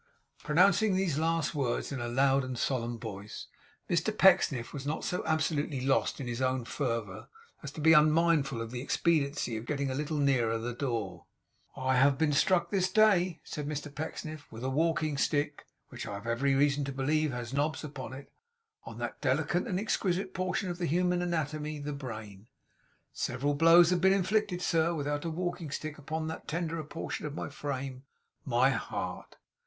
Pronouncing these last words in a loud and solemn voice, Mr Pecksniff was not so absolutely lost in his own fervour as to be unmindful of the expediency of getting a little nearer to the door. 'I have been struck this day,' said Mr Pecksniff, 'with a walking stick (which I have every reason to believe has knobs upon it), on that delicate and exquisite portion of the human anatomy the brain. Several blows have been inflicted, sir, without a walking stick, upon that tenderer portion of my frame my heart.